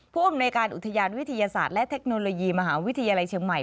ผู้อำนวยการอุทยานวิทยาศาสตร์และเทคโนโลยีมหาวิทยาลัยเชียงใหม่